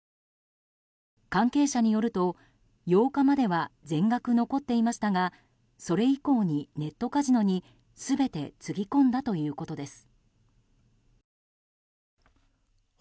関係者によると８日までは全額残っていましたがそれ以降にネットカジノに全てつぎ込んだということです。